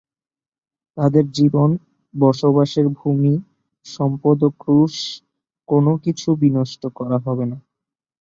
তাঁদের জীবন, বসবাসের ভূমি, সম্পদ ও ক্রুশ কোনো কিছু বিনষ্ট করা হবে না।